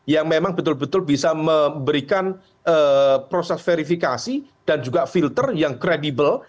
yang memang betul betul bisa memberikan proses verifikasi dan juga filter yang kredibel